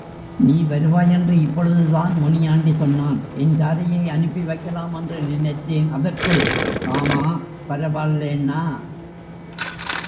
நீ வருவாயென்று இப்பொழுதுதான் முனியாண்டி சொன்னான், என் காரையே அனுப்பி வைக்கலாம் என்று நினைத்தேன் அதற்குள்...... காமா பரவால்லேண்ணா.